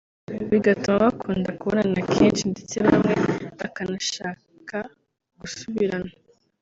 bigatuma bakunda kubonana kenshi ndetse bamwe bakanashaka gusubirana